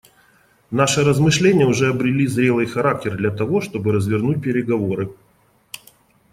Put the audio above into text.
Наши размышления уже обрели зрелый характер для того, чтобы развернуть переговоры.